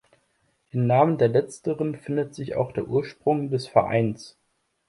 Im Namen der letzteren findet sich auch der Ursprung des Vereins.